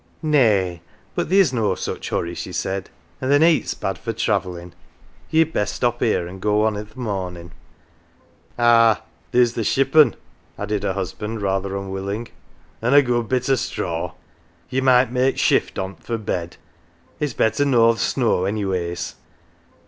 " Nay, but theer's no such hurry," she said, " an' th' neet's bad for travellin'. Ye'd best stop here, an' go on i' th' mornin'." 243 "OUR JOE" " Ah, theer's th' shippon," added her husband, rather unwilling ;" an' a good bit o' straw. Ye might make shift on't for bed. It's better nor th' snow anyways."